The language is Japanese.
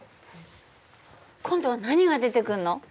今度は何が出てくるの？